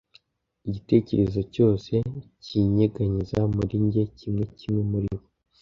Igitekerezo cyose kinyeganyeza muri njye kimwe kimwe muri bo.